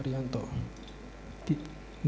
di rianto di rukodin apa